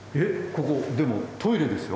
ここでもトイレですよ？